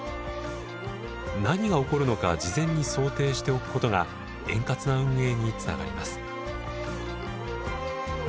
何が起こるのか事前に想定しておくことが円滑な運営につながります。